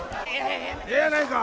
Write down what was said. ええやないか！